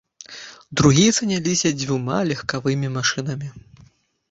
Другія заняліся дзвюма легкавымі машынамі.